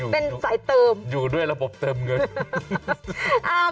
เป็นสายเติมอยู่ด้วยระบบเติมเงิน